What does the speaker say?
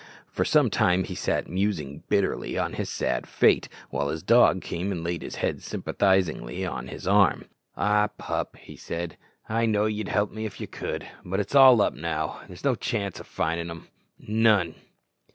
For some time he sat musing bitterly on his sad fate, while his dog came and laid his head sympathizingly on his arm. "Ah, pup!" he said, "I know ye'd help me if ye could! But it's all up now; there's no chance of findin' them none!"